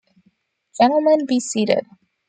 Gentlemen, Be Seated!